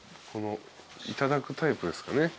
頂くタイプですかね？